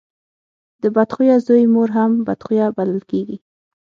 د بد خويه زوی مور هم بد خويه بلل کېږي.